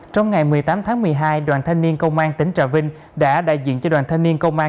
trong ngày một mươi tám tháng một mươi hai đoàn thanh niên công an tỉnh trà vinh đã đại diện cho đoàn thanh niên công an